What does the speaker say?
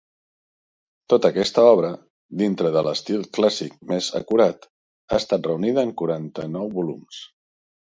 Tota aquesta obra, dintre de l'estil clàssic més acurat, ha estat reunida en quaranta-nou volums.